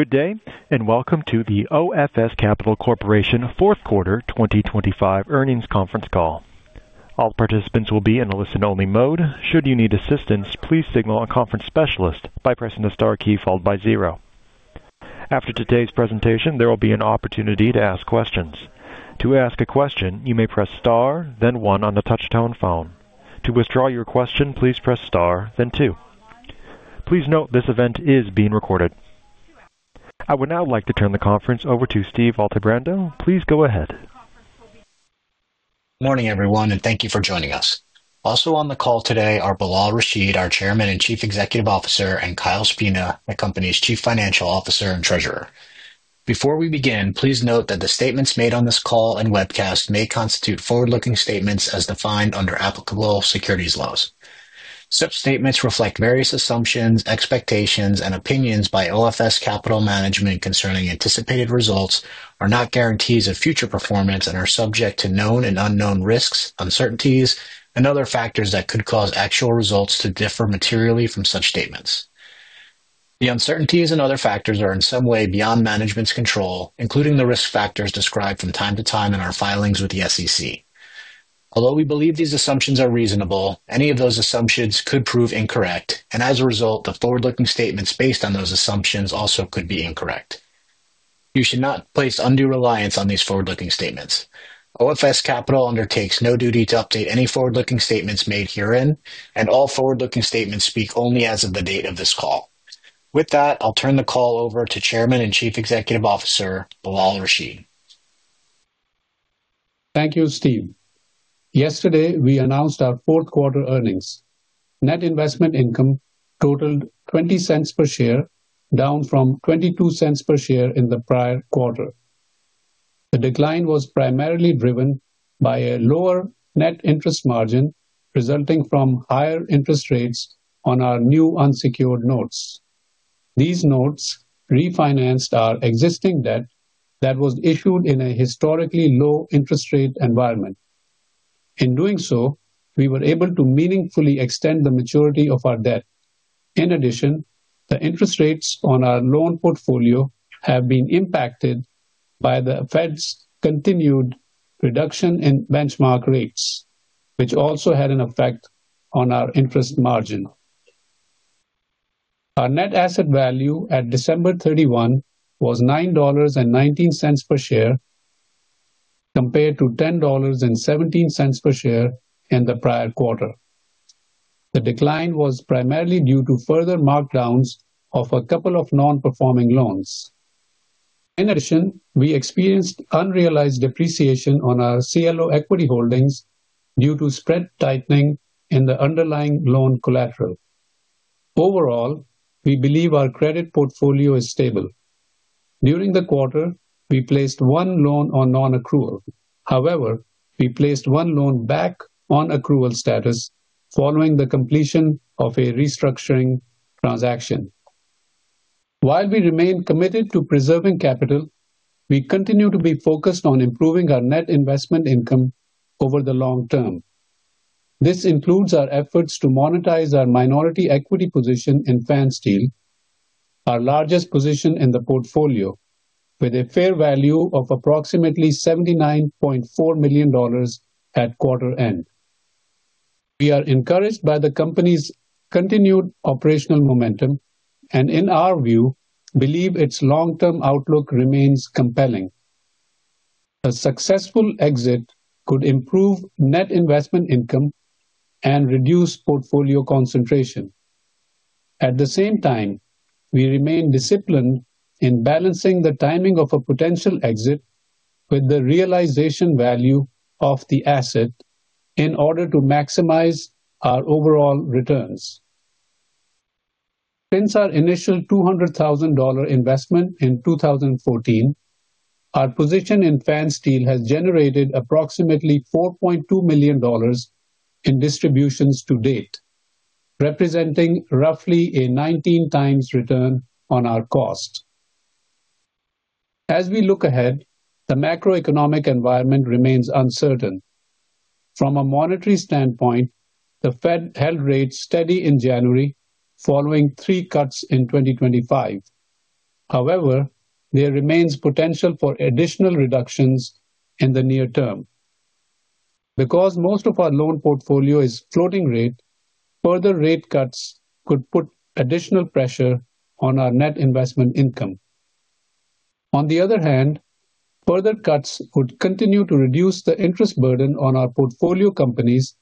Good day, and welcome to the OFS Capital Corporation fourth quarter 2025 earnings conference call. All participants will be in a listen-only mode. Should you need assistance, please signal a conference specialist by pressing the star key followed by 0. After today's presentation, there will be an opportunity to ask questions. To ask a question, you may press Star then 1 on the touchtone phone. To withdraw your question, please press Star then 2. Please note this event is being recorded. I would now like to turn the conference over to Steve Altebrando. Please go ahead. Morning everyone, and thank you for joining us. Also on the call today are Bilal Rashid, our Chairman and Chief Executive Officer, and Kyle Spina, the company's Chief Financial Officer and Treasurer. Before we begin, please note that the statements made on this call and webcast may constitute forward-looking statements as defined under applicable securities laws. Such statements reflect various assumptions, expectations, and opinions by OFS Capital Management concerning anticipated results are not guarantees of future performance and are subject to known and unknown risks, uncertainties, and other factors that could cause actual results to differ materially from such statements. The uncertainties and other factors are in some way beyond management's control, including the risk factors described from time to time in our filings with the SEC. Although we believe these assumptions are reasonable, any of those assumptions could prove incorrect. As a result, the forward-looking statements based on those assumptions also could be incorrect. You should not place undue reliance on these forward-looking statements. OFS Capital undertakes no duty to update any forward-looking statements made herein. All forward-looking statements speak only as of the date of this call. With that, I'll turn the call over to Chairman and Chief Executive Officer, Bilal Rashid. Thank you, Steve Altebrando. Yesterday, we announced our fourth quarter earnings. Net Investment Income totaled $0.20 per share, down from $0.22 per share in the prior quarter. The decline was primarily driven by a lower net interest margin resulting from higher interest rates on our new unsecured notes. These notes refinanced our existing debt that was issued in a historically low interest rate environment. In doing so, we were able to meaningfully extend the maturity of our debt. In addition, the interest rates on our loan portfolio have been impacted by the Fed's continued reduction in benchmark rates, which also had an effect on our interest margin. Our Net Asset Value at December 31 was $9.19 per share compared to $10.17 per share in the prior quarter. The decline was primarily due to further markdowns of a couple of non-performing loans. In addition, we experienced unrealized depreciation on our CLO equity holdings due to spread tightening in the underlying loan collateral. Overall, we believe our credit portfolio is stable. During the quarter, we placed one loan on non-accrual. However, we placed one loan back on accrual status following the completion of a restructuring transaction. While we remain committed to preserving capital, we continue to be focused on improving our Net Investment Income over the long term. This includes our efforts to monetize our minority equity position in Fansteel, our largest position in the portfolio with a fair value of approximately $79.4 million at quarter end. We are encouraged by the company's continued operational momentum and, in our view, believe its long-term outlook remains compelling. A successful exit could improve Net Investment Income and reduce portfolio concentration. At the same time, we remain disciplined in balancing the timing of a potential exit with the realization value of the asset in order to maximize our overall returns. Since our initial $200,000 investment in 2014, our position in Fansteel has generated approximately $4.2 million in distributions to date, representing roughly a 19 times return on our cost. As we look ahead, the macroeconomic environment remains uncertain. From a monetary standpoint, the Fed held rates steady in January following 3 cuts in 2025. However, there remains potential for additional reductions in the near term. Because most of our loan portfolio is floating rate, further rate cuts could put additional pressure on our Net Investment Income. On the other hand, further cuts could continue to reduce the interest burden on our portfolio companies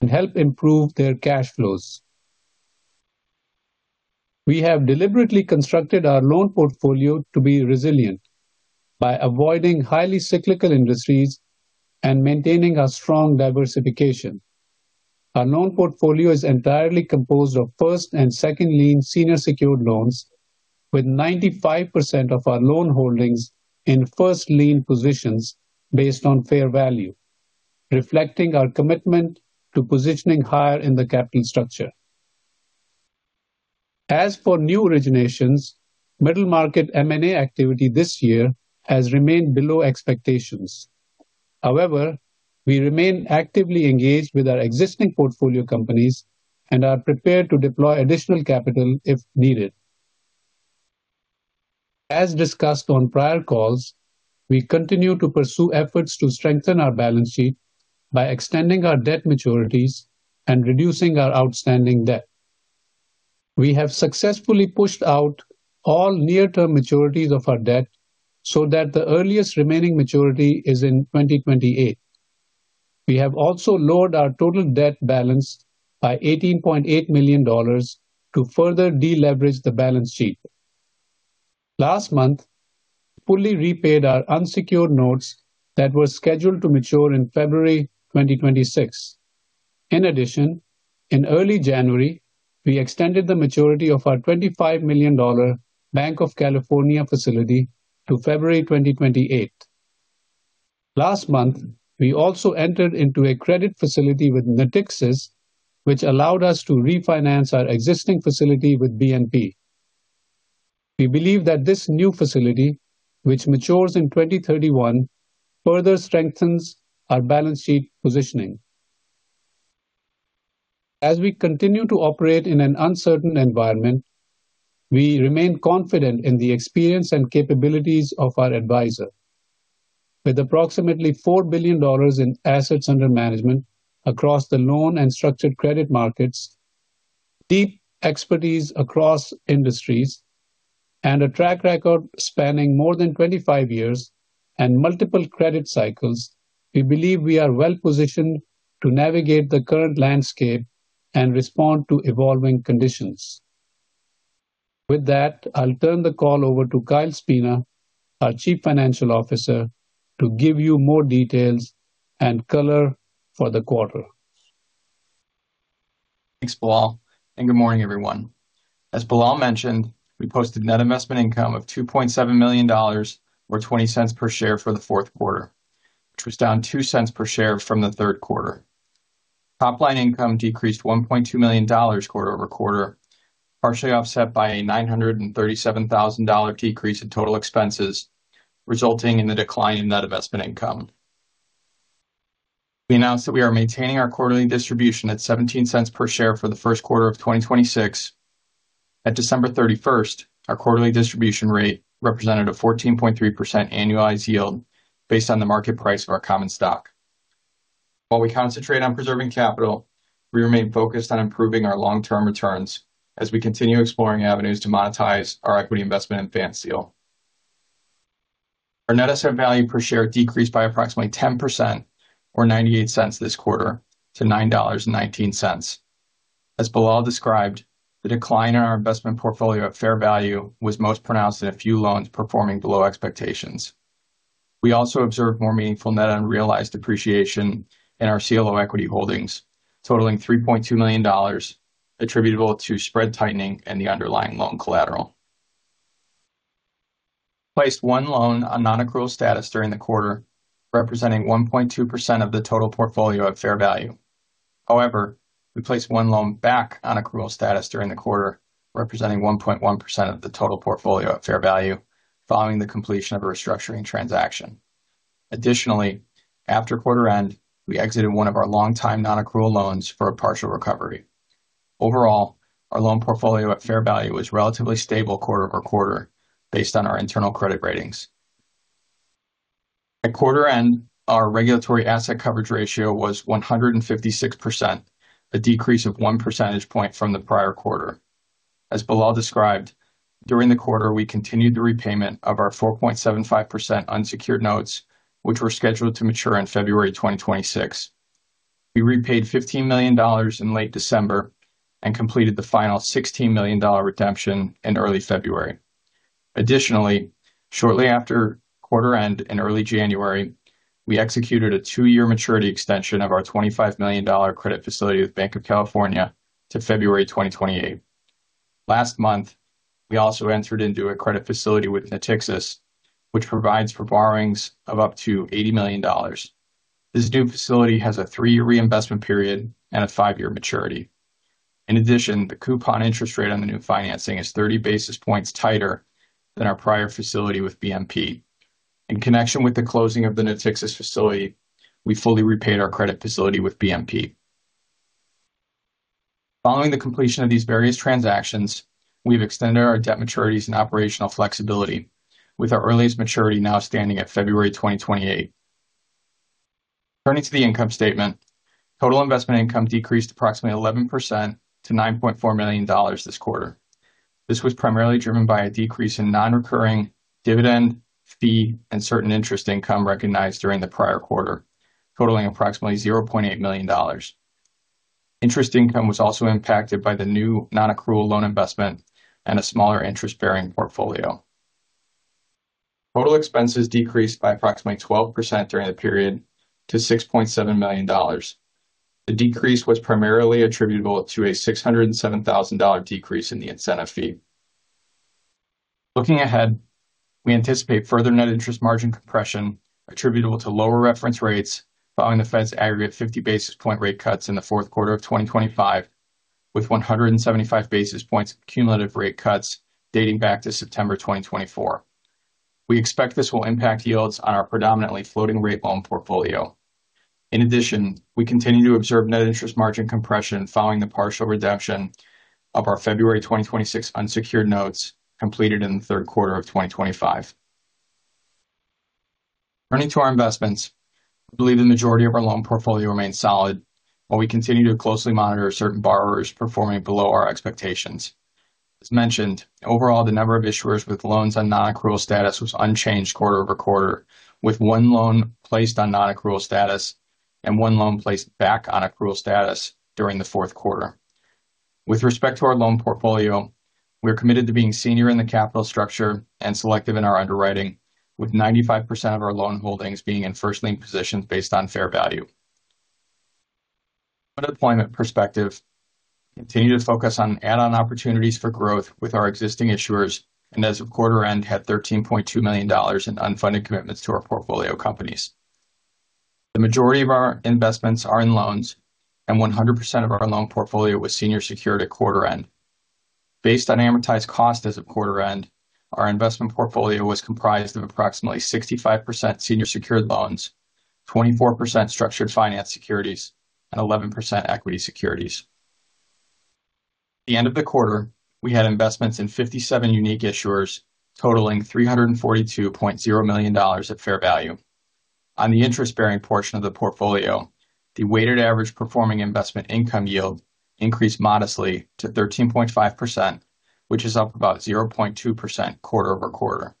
and help improve their cash flows. We have deliberately constructed our loan portfolio to be resilient by avoiding highly cyclical industries and maintaining a strong diversification. Our loan portfolio is entirely composed of first lien and second lien senior secured loans with 95% of our loan holdings in first lien positions based on fair value, reflecting our commitment to positioning higher in the capital structure. However, we remain actively engaged with our existing portfolio companies and are prepared to deploy additional capital if needed. As discussed on prior calls, we continue to pursue efforts to strengthen our balance sheet by extending our debt maturities and reducing our outstanding debt. We have successfully pushed out all near-term maturities of our debt so that the earliest remaining maturity is in 2028. We have also lowered our total debt balance by $18.8 million to further de-leverage the balance sheet. Last month, fully repaid our unsecured notes that were scheduled to mature in February 2026. In early January, we extended the maturity of our $25 million Banc of California facility to February 2028. Last month, we also entered into a credit facility with Natixis, which allowed us to refinance our existing facility with BNP. We believe that this new facility, which matures in 2031, further strengthens our balance sheet positioning. As we continue to operate in an uncertain environment, we remain confident in the experience and capabilities of our advisor. With approximately $4 billion in assets under management across the loan and structured credit markets, deep expertise across industries, and a track record spanning more than 25 years and multiple credit cycles, we believe we are well-positioned to navigate the current landscape and respond to evolving conditions. With that, I'll turn the call over to Kyle Spina, our Chief Financial Officer, to give you more details and color for the quarter. Thanks, Bilal. Good morning, everyone. As Bilal mentioned, we posted Net Investment Income of $2.7 million or $0.20 per share for the fourth quarter, which was down $0.02 per share from the third quarter. Top-line income decreased $1.2 million quarter-over-quarter, partially offset by a $937,000 decrease in total expenses, resulting in the decline in Net Investment Income. We announced that we are maintaining our quarterly distribution at $0.17 per share for the first quarter of 2026. At December 31st, our quarterly distribution rate represented a 14.3% annualized yield based on the market price of our common stock. While we concentrate on preserving capital, we remain focused on improving our long-term returns as we continue exploring avenues to monetize our equity investment in Fansteel. Our Net Asset Value per share decreased by approximately 10% or $0.98 this quarter to $9.19. As Bilal described, the decline in our investment portfolio at fair value was most pronounced in a few loans performing below expectations. We also observed more meaningful net unrealized appreciation in our CLO equity holdings, totaling $3.2 million attributable to spread tightening and the underlying loan collateral. Placed one loan on non-accrual status during the quarter, representing 1.2% of the total portfolio at fair value. We placed one loan back on accrual status during the quarter, representing 1.1% of the total portfolio at fair value following the completion of a restructuring transaction. After quarter end, we exited one of our long-time non-accrual loans for a partial recovery. Overall, our loan portfolio at fair value was relatively stable quarter-over-quarter based on our internal credit ratings. At quarter end, our regulatory asset coverage ratio was 156%, a decrease of one percentage point from the prior quarter. As Bilal described, during the quarter, we continued the repayment of our 4.75% unsecured notes, which were scheduled to mature in February 2026. We repaid $15 million in late December and completed the final $16 million redemption in early February. Shortly after quarter end in early January, we executed a two-year maturity extension of our $25 million credit facility with Banc of California to February 2028. Last month, we also entered into a credit facility with Natixis, which provides for borrowings of up to $80 million. This new facility has a 3-year reinvestment period and a 5-year maturity. The coupon interest rate on the new financing is 30 basis points tighter than our prior facility with BNP. In connection with the closing of the Natixis facility, we fully repaid our credit facility with BNP. Following the completion of these various transactions, we've extended our debt maturities and operational flexibility, with our earliest maturity now standing at February 2028. Turning to the income statement. Total investment income decreased approximately 11% to $9.4 million this quarter. This was primarily driven by a decrease in non-recurring dividend fee and certain interest income recognized during the prior quarter, totaling approximately $0.8 million. Interest income was also impacted by the new non-accrual loan investment and a smaller interest-bearing portfolio. Total expenses decreased by approximately 12% during the period to $6.7 million. The decrease was primarily attributable to a $607,000 decrease in the incentive fee. Looking ahead, we anticipate further net interest margin compression attributable to lower reference rates following the Fed's aggregate 50 basis point rate cuts in the fourth quarter of 2025. With 175 basis points of cumulative rate cuts dating back to September 2024. We expect this will impact yields on our predominantly floating rate loan portfolio. In addition, we continue to observe net interest margin compression following the partial redemption of our February 2026 unsecured notes completed in the third quarter of 2025. Turning to our investments. I believe the majority of our loan portfolio remains solid, while we continue to closely monitor certain borrowers performing below our expectations. As mentioned, overall, the number of issuers with loans on non-accrual status was unchanged quarter-over-quarter, with one loan placed on non-accrual status and one loan placed back on accrual status during the fourth quarter. With respect to our loan portfolio, we are committed to being senior in the capital structure and selective in our underwriting, with 95% of our loan holdings being in first lien positions based on fair value. Deployment perspective, continue to focus on add-on opportunities for growth with our existing issuers, and as of quarter end, had $13.2 million in unfunded commitments to our portfolio companies. The majority of our investments are in loans. 100% of our loan portfolio was senior secured at quarter end. Based on amortized cost as of quarter end, our investment portfolio was comprised of approximately 65% senior secured loans, 24% structured finance securities, and 11% equity securities. At the end of the quarter, we had investments in 57 unique issuers totaling $342.0 million at fair value. On the interest-bearing portion of the portfolio, the weighted average performing investment income yield increased modestly to 13.5%, which is up about 0.2% quarter-over-quarter.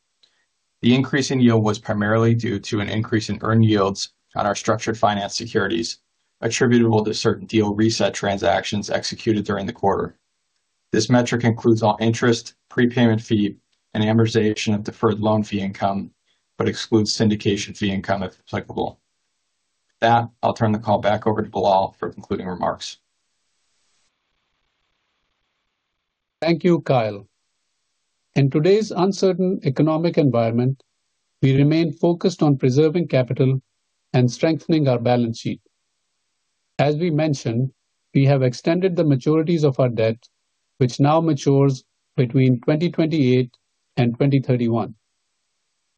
The increase in yield was primarily due to an increase in earned yields on our structured finance securities, attributable to certain deal reset transactions executed during the quarter. This metric includes all interest, prepayment fee, and amortization of deferred loan fee income, but excludes syndication fee income, if applicable. With that, I'll turn the call back over to Bilal for concluding remarks. Thank you, Kyle. In today's uncertain economic environment, we remain focused on preserving capital and strengthening our balance sheet. We mentioned, we have extended the maturities of our debt, which now matures between 2028 and 2031.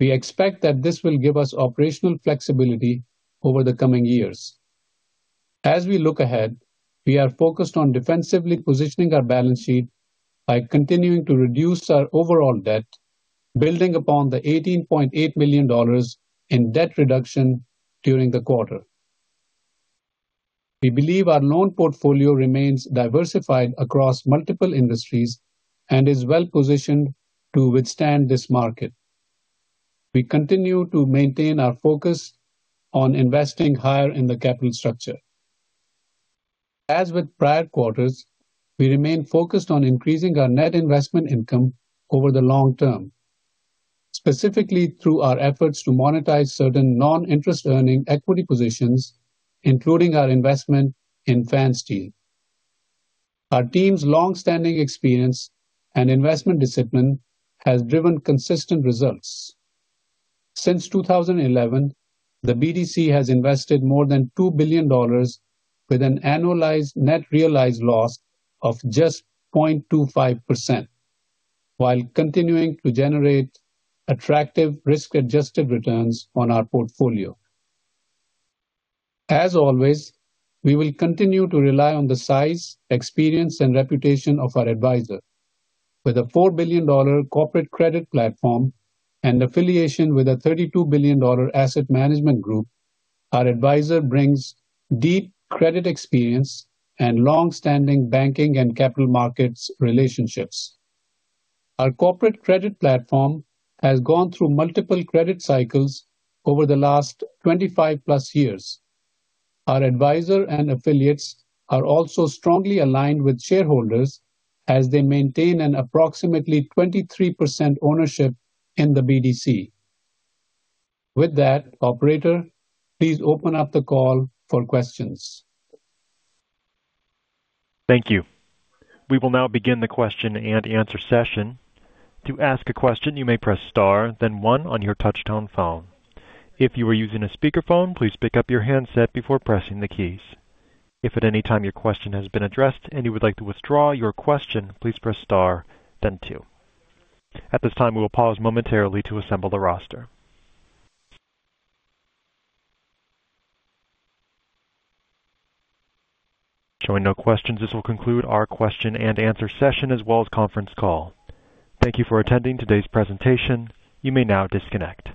We expect that this will give us operational flexibility over the coming years. We look ahead, we are focused on defensively positioning our balance sheet by continuing to reduce our overall debt, building upon the $18.8 million in debt reduction during the quarter. We believe our loan portfolio remains diversified across multiple industries and is well-positioned to withstand this market. We continue to maintain our focus on investing higher in the capital structure. With prior quarters, we remain focused on increasing our Net Investment Income over the long term, specifically through our efforts to monetize certain non-interest earning equity positions, including our investment in Fansteel Holdings. Our team's long-standing experience and investment discipline has driven consistent results. Since 2011, the BDC has invested more than $2 billion with an annualized net realized loss of just 0.25% while continuing to generate attractive risk-adjusted returns on our portfolio. As always, we will continue to rely on the size, experience, and reputation of our advisor. With a $4 billion corporate credit platform and affiliation with a $32 billion asset management group, our advisor brings deep credit experience and long-standing banking and capital markets relationships. Our corporate credit platform has gone through multiple credit cycles over the last 25+ years. Our advisor and affiliates are also strongly aligned with shareholders as they maintain an approximately 23% ownership in the BDC. With that, operator, please open up the call for questions. Thank you. We will now begin the question-and-answer session. To ask a question, you may press star then one on your touch-tone phone. If you are using a speakerphone, please pick up your handset before pressing the keys. If at any time your question has been addressed and you would like to withdraw your question, please press star then two. At this time, we will pause momentarily to assemble the roster. Showing no questions, this will conclude our question-and-answer session as well as conference call. Thank you for attending today's presentation. You may now disconnect.